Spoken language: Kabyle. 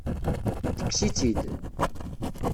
Tekkes-itt-id?